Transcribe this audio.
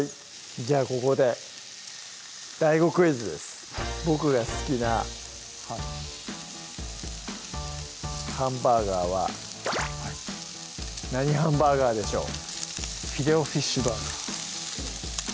じゃあここでＤＡＩＧＯクイズです僕が好きなハンバーガーは何ハンバーガーでしょう？